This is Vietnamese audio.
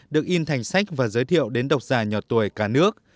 được in thành sách và giới thiệu đến độc giả nhỏ tuổi cả nước